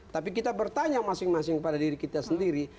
tapi kita bertanya masing masing kepada diri kita sendiri